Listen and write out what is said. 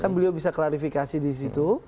kan beliau bisa klarifikasi disitu